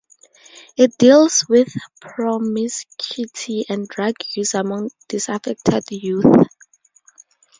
It deals with promiscuity and drug use among disaffected youth.